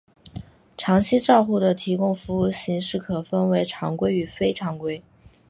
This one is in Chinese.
长期照护的提供服务形式可分为常规与非常规。